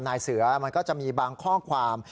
นายเสือมันก็จะมีบางข้อความ